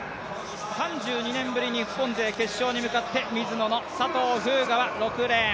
３２年ぶり、日本勢決勝に向かってミズノの佐藤風雅は６レーン。